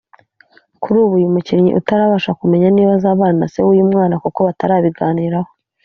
Kuri ubu uyu mukinnyi utarabasha kumenya niba azabana na se w’uyu mwana kuko batarabiganiraho